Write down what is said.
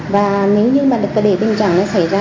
và nếu như mà được để tình trạng này xảy ra